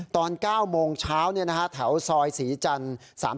ตอน๙โมงเช้าแถวซอยศรีจันทร์๓๔